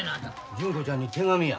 純子ちゃんに手紙や。